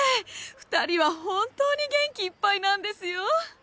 ２人は本当に元気いっぱいなんですよ